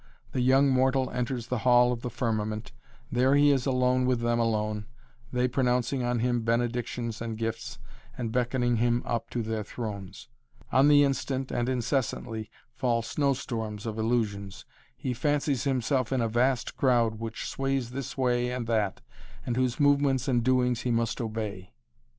The young mortal enters the hall of the firmament; there he is alone with them alone, they pronouncing on him benedictions and gifts, and beckoning him up to their thrones. On the instant and incessantly fall snow storms of illusions. He fancies himself in a vast crowd which sways this way and that and whose movements and doings he must obey.